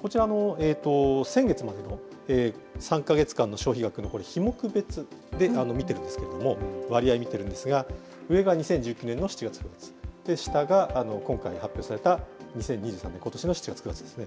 こちらの先月までの３か月間の消費額のこれ、費目別で見ているんですけれども、割合見ているんですが、上が２０１９年の７月ー９月、下が今回発表された、２０２３年、ことしの７月ー９月ですね。